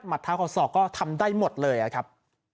หมัดเท้าขอสอบก็ทำได้หมดเลยอ่ะครับ